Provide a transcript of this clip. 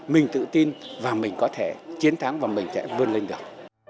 mình tự tin và mình có thể chiến thắng và mình sẽ vươn lên được